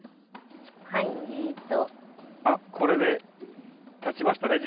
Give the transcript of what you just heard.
あっこれでたちましたね